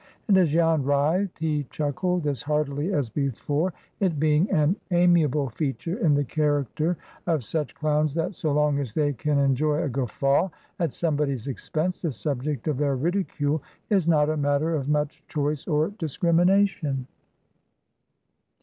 And as Jan writhed, he chuckled as heartily as before, it being an amiable feature in the character of such clowns that, so long as they can enjoy a guffaw at somebody's expense, the subject of their ridicule is not a matter of much choice or discrimination.